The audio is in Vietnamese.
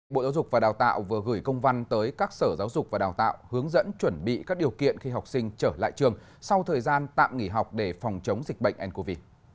bộ giáo dục và đào tạo vừa gửi công văn tới các sở giáo dục và đào tạo hướng dẫn chuẩn bị các điều kiện khi học sinh trở lại trường sau thời gian tạm nghỉ học để phòng chống dịch bệnh ncov